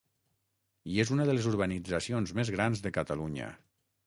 I és una de les urbanitzacions més grans de Catalunya.